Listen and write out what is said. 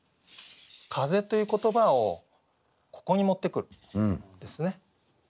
「風」という言葉をここに持ってくるんですね。